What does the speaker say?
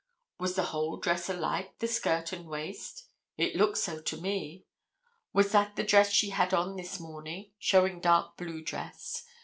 Was the whole dress alike, the skirt and waist? It looked so to me. Was that the dress she had on this morning (showing dark blue dress?)